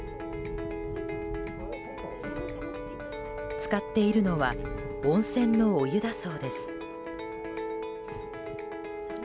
浸かっているのは温泉のお湯だそうです。